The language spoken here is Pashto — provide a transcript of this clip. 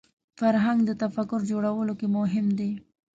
فرهنګ د تفکر جوړولو کې مهم دی